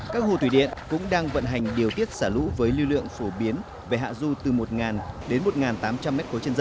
các hồ thủy điện cũng đang vận hành điều tiết xả lũ với lưu lượng phổ biến về hạ du từ một đến một tám trăm linh m ba trên giâ